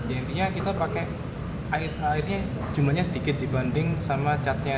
intinya kita pakai airnya sedikit dibanding sama catnya